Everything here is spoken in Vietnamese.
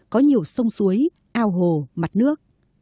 có nhiều sông suối ao hồ mặt nước